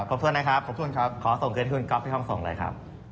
ใช่ครับขอบคุณนะครับขอบคุณครับขอส่งเครื่องที่คุณก๊อฟที่ความส่งเลยครับ